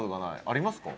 ありますか？